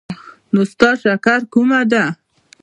نو ستا شکر کومه دی؟